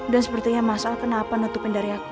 dan sepertinya masalah kenapa nutupin dari aku